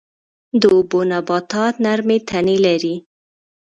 د اوبو نباتات نرمې تنې لري